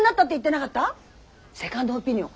セカンドオピニオン